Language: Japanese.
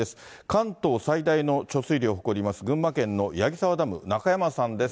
関東最大の貯水量を誇ります、群馬県の矢木沢ダム、中山さんです。